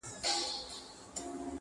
• ستا په نوم به معبدونه ابادېږي -